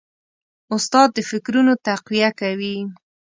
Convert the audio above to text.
استاد د فکرونو تقویه کوي.